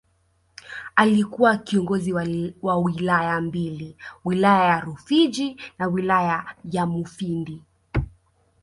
Alikuwa kiongozi wa Wilaya mbili Wilaya ya Rufiji na Wilaya ya Mufindi